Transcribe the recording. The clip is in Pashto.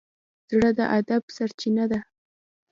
زړه د ادب سرچینه ده.